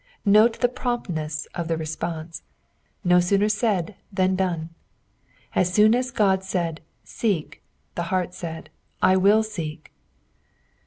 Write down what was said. Note the promptness of the response — no sooner said than done ; as soon as Qod said " letl," the heart said, " ImU teek."